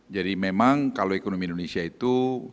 jadi memang kalau ekonomi indonesia itu